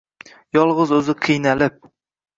Yolg‘iz o‘zi qiynalib.